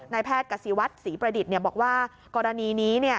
แพทย์กษีวัฒน์ศรีประดิษฐ์บอกว่ากรณีนี้